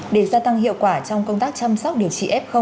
để gia tăng hiệu quả trong công tác chăm sóc điều trị f